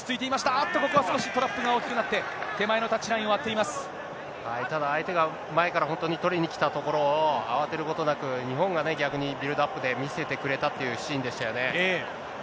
あっと、ここは少しトラップが大きくなって、手前のタッチラインを割ってただ、相手が前から本当に取りに来たところを、慌てることなく、日本がね、逆にビルドアップで見せてくれたっていうシーンでしたよね。